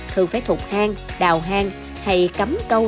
thường phải thụt hang đào hang hay cắm câu